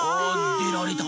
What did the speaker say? でられた！